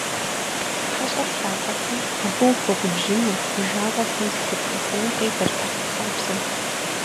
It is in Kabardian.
ХьэщӀэр лъапӀэти, абы ухуэгубжьыну, и жагъуэ хъун зыхебгъэхыну къидэртэкъым хабзэм.